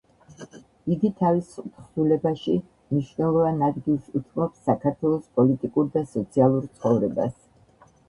იგი თავის თხზულებაში მნიშვნელოვან ადგილს უთმობს საქართველოს პოლიტიკურ და სოციალურ ცხოვრებას.